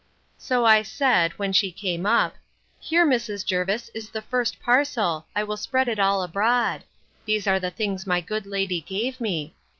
So I said, when she came up, Here, Mrs. Jervis, is the first parcel; I will spread it all abroad. These are the things my good lady gave me.